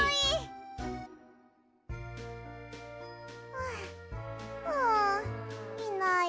ふううんいない。